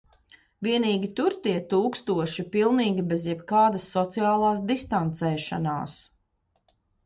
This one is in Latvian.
Vienīgi tur tie tūkstoši pilnīgi bez jebkādas sociālās distancēšanās.